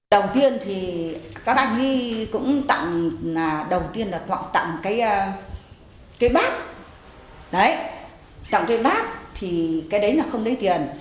đầu tiên thì các anh huy cũng tặng đầu tiên là tặng cái bát đấy tặng cái bát thì cái đấy là không lấy tiền